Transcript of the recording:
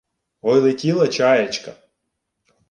Ой летіла чаєчка